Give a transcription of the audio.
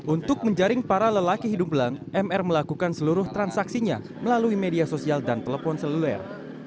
untuk menjaring para lelaki hidung belang mr melakukan seluruh transaksinya melalui media sosial dan telepon seluler